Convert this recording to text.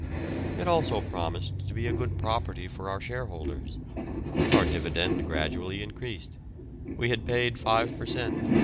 It also promised to be a good property for our shareholders. Our dividend gradually increased; we had paid 5 per cent.